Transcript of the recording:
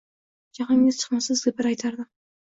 — Jaxlingiz chiqmasa, sizga bir gap aytardim.